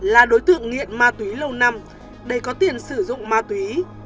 là đối tượng nghiện ma túy lâu năm để có tiền sử dụng ma túy